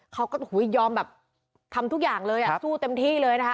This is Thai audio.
เขาก็ยอมแบบทำทุกอย่างเลยอ่ะสู้เต็มที่เลยนะคะ